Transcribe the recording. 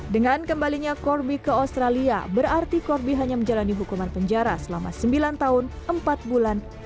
dengan kembalinya corby ke australia berarti corby hanya menjalani hukuman penjara selama sembilan tahun empat bulan